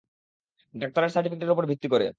ডাক্তারের সার্টিফিকেটের উপর ভিত্তি করে।